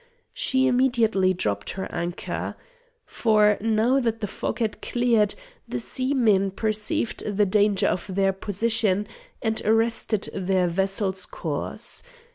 She immediately dropped her anchor. For, now that the fog had cleared, the seamen perceived the danger of their position, and arrested their vessel's course.